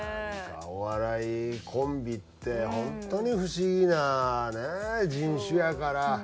お笑いコンビって本当に不思議なね人種やから。